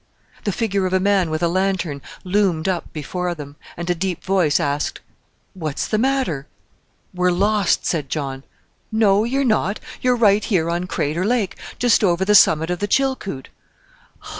The figure of a man with a lantern loomed up before them, and a deep voice asked, "What's the matter?" "We're lost," said John. "No, you're not; you're right here on Crater Lake, just over the summit of the Chilkoot."